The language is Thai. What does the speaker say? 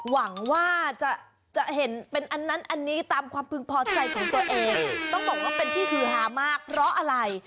หวังว่าจะเห็นเป็นอันนั้นอันนี้ตามความพึงพอใจของตัวเองต้องบอกว่าเป็นที่ฮือฮามากเพราะอะไร